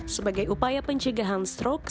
sebagai upaya pencegahan stroke